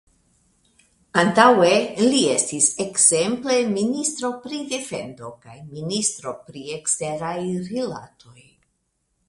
Antaŭe li estis ekzemple ministro pri defendo kaj ministro pri eksteraj rilatoj.